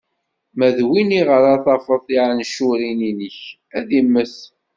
Ma d win iɣer ara tafeḍ tiɛencuṛin-ik, ad immet!